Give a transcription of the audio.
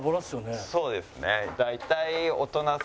そうですね。